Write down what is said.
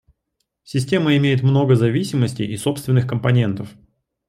Система имеет много зависимостей и собственных компонентов